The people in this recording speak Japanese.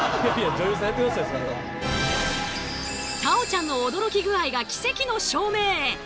太鳳ちゃんの驚き具合が奇跡の証明！